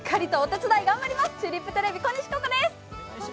チューリップテレビ、小西鼓子です。